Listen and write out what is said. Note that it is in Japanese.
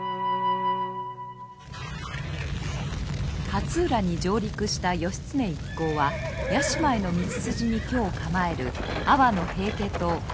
勝浦に上陸した義経一行は屋島への道筋に居を構える阿波の平家党桜間ノ